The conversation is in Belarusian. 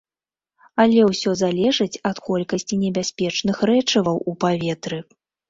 Але ўсё залежыць ад колькасці небяспечных рэчываў у паветры.